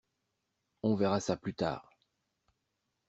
On verra ça plus tard.